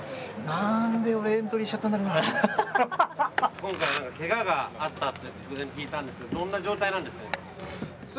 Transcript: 今回けががあったと聞いたんですけど、どんな状態なんですか？